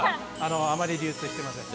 あまり流通してません。